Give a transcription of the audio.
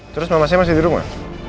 terus mamasnya masih di rumah